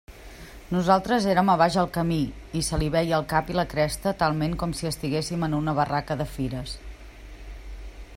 Nosaltres érem a baix al camí, i se li veia el cap i la cresta talment com si estiguéssim en una barraca de fires.